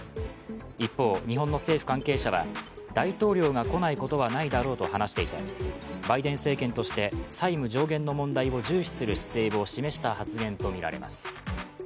一方、日本の政府関係者は大統領が来ないことはないだろうと話していてバイデン政権として債務上限の問題を重視する姿勢を示した発言とみられます。